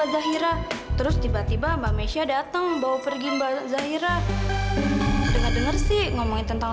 hai terus amira langsung menyusulin gitu makasih ya hai rumah sakit ngapain bisa paksa saya